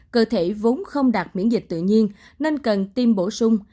cơ thể vốn không đạt miễn dịch tự nhiên nên cần tiêm bổ sung